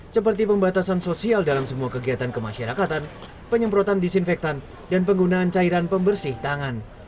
seperti pembatasan sosial dalam semua kegiatan kemasyarakatan penyemprotan disinfektan dan penggunaan cairan pembersih tangan